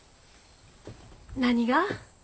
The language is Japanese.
何が？